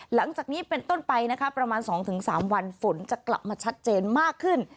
หลังจากนี้เป็นต้นไปนะคะประมาณ๒๓วันฝนจะกลับมาชัดเจนมากขึ้น